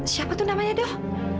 siapa tuh namanya duk